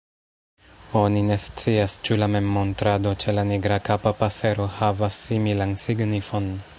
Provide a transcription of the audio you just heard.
Oni ne scias ĉu la memmontrado ĉe la Nigrakapa pasero havas similan signifon.